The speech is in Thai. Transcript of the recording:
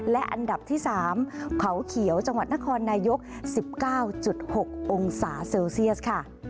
และอันดับที่๓เขาเขียวจังหวัดนครนายก๑๙๖องศาเซลเซียสค่ะ